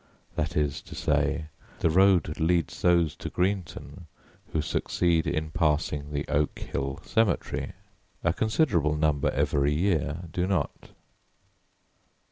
That is to say, the road leads those to Greenton who succeed in passing the Oak Hill Cemetery. A considerable number every year do not.